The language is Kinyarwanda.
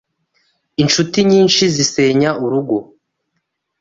Incuti nyinshi zisenya urugo